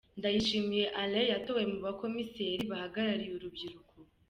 Ndayishimiye Alain yatowe mu bakomiseri bahagarariye urubyiruko.